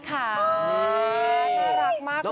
น่ารักมากเลย